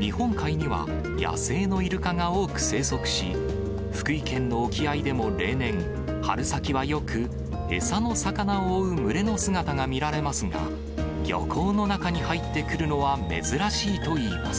日本海には野生のイルカが多く生息し、福井県の沖合でも例年、春先はよく、餌の魚を追う群れの姿が見られますが、漁港の中に入ってくるのは珍しいといいます。